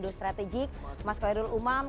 direktur strategik mas koyerul umam